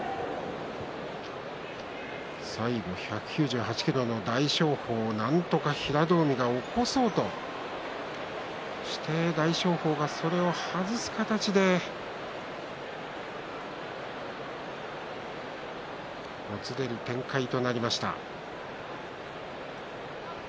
最後、１９８ｋｇの大翔鵬なんとか平戸海が起こそうとして大翔鵬がそれを外す形でもつれる展開となりました。